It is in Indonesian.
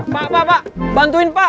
pak pak pak bantuin pak